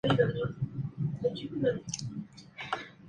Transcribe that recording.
De nuevo en su tierra, fue nombrado pianista de la sociedad liberal El Sitio.